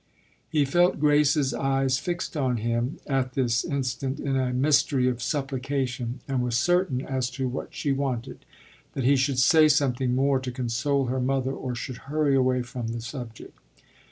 He felt Grace's eyes fixed on him at this instant in a mystery of supplication, and was uncertain as to what she wanted that he should say something more to console her mother or should hurry away from the subject.